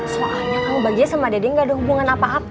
soalnya kamu baginya sama dede gak ada hubungan apaan